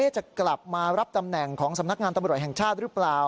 จะกลับมารับตำแหน่งของสำนักงานตำรวจแห่งชาติหรือเปล่า